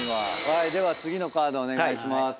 では次のカードお願いします。